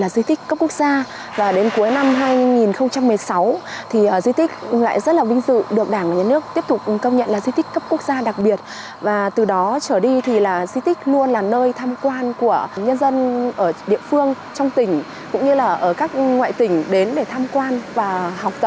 xin kính chào và hẹn gặp lại trong những chương trình tiếp theo